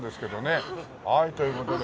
はいという事で。